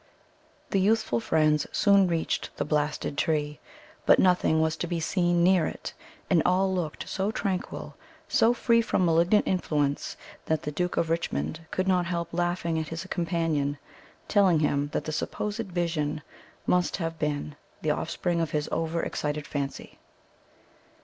The youthful friends soon reached the blasted tree; but nothing was to be seen near it, and all looked so tranquil, so free from malignant influence, that the Duke of Richmond could not help laughing at his companion, telling him that the supposed vision must have been the offspring of his over excited fancy.